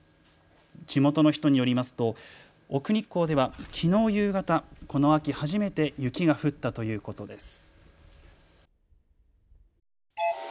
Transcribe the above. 地元の人によりますと奥日光ではきのう夕方、この秋初めて雪が降ったということです。